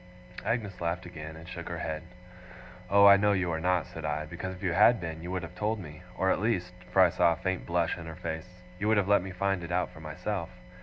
Agnes laughed again, and shook her head. 'Oh, I know you are not!' said I, 'because if you had been you would have told me. Or at least' for I saw a faint blush in her face, 'you would have let me find it out for myself.